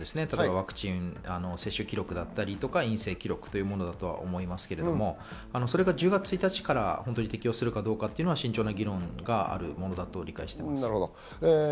ワクチン接種記録だったり、陰性記録というものだと思いますけど、それが１０月１日から適用するかどうかというのは慎重に議論があるものだと理解しています。